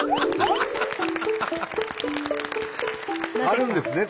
あるんですね